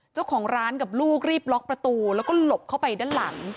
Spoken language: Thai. เจ้าของร้านกับลูกรีบล็อกประตูแล้วก็หลบเข้าไปด้านหลัง